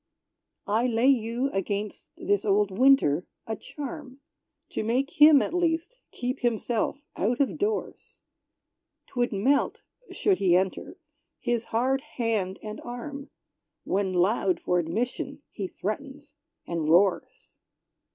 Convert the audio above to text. I lay you, against this old Winter, a charm. To make him, at least, keep himself out of doors! 'Twould melt should he enter his hard hand and arm. When loud for admission he threatens and roars.